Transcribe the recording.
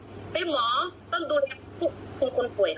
ถ้าไม่มีไม่มีถ้าไม่อยากดูแลก็ไม่ต้องเป็นหมอ